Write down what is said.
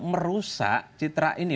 merusak citra ini